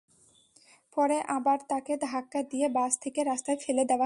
পরে আবার তাঁকে ধাক্কা দিয়ে বাস থেকে রাস্তায় ফেলে দেওয়া হয়।